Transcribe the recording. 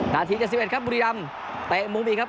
นาที๗๑ครับบุรีรำเตะมุมอีกครับ